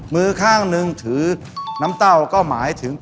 มือข้างหนึ่งถือน้ำเต้าก็หมายถึง